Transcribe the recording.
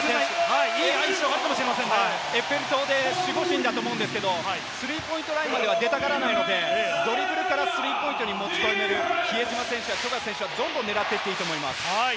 エッフェル塔で守護神だと思うんですけれども、スリーポイントラインまでは出たがらないので、ドリブルからスリーポイントに持ち込める比江島選手や富樫選手はどんどん狙っていていいと思います。